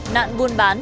nạn buôn bán